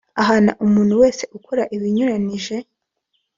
Ahana umuntu wese ukora ibinyuranije